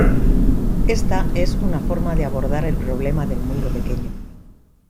Esta es una forma de abordar el problema del mundo pequeño.